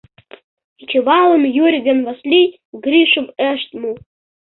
Кечывалым Юрик ден Васлий Гришым ышт му.